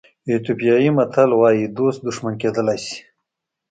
ایتیوپیایي متل وایي دوست دښمن کېدلی شي.